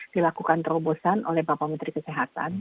dilakukan terobosan oleh bapak menteri kesehatan